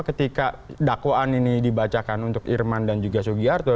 ketika dakwaan ini dibacakan untuk irman dan juga sugiarto